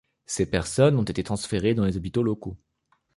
Ces personnes ont été transférées dans les hôpitaux locaux.